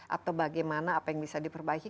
atau bagaimana apa yang bisa diperbaiki